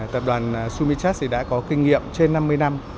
tập đoàn sumichart đã có kinh nghiệm trên năm mươi năm